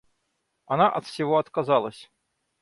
Она от всего отказалась.